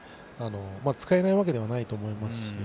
使えないわけではないと思いますし。